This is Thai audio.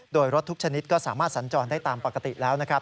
โดยรถทุกชนิดก็สามารถสัญจรได้ตามปกติแล้วนะครับ